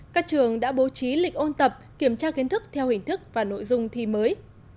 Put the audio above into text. các trường đã bố trí lịch ôn tập kiểm tra kiến thức theo hình thức và nội dung thi mới